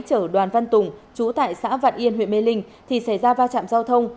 chở đoàn văn tùng chú tại xã vạn yên huyện mê linh thì xảy ra va chạm giao thông